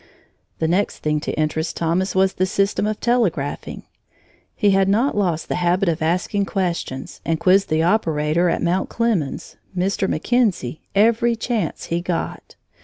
The next thing to interest Thomas was the system of telegraphing. He had not lost the habit of asking questions and quizzed the operator at Mt. Clemens, Mr. McKenzie, every chance he had.